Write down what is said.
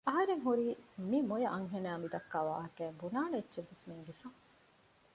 އަހަރެން ހުރީ މި މޮޔަ އަންހެނާ މިދައްކާ ވާހައިން ބުނާނެ އެއްޗެއްވެސް ނޭންގިފަ